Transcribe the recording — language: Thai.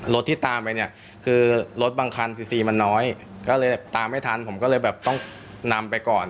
ที่ตามไปเนี่ยคือรถบางคันซีซีมันน้อยก็เลยตามไม่ทันผมก็เลยแบบต้องนำไปก่อน